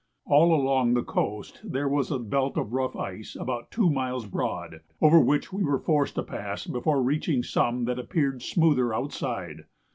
All along the coast there was a belt of rough ice about two miles broad, over which we were forced to pass before reaching some that appeared smoother outside.